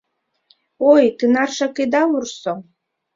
— Ой, тынаржак ида вурсо.